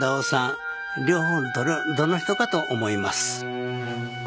両方のどの人かと思います。